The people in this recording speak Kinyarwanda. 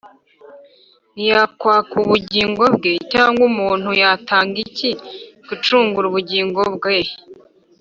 niyakwa ubugingo bwe? Cyangwa umuntu yatanga iki gucungura ubugingo bwe?